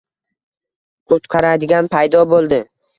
Qutqaradigan paydo bo‘ldi.